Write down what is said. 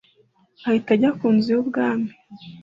ahita ajya ku nzu y’ ubwami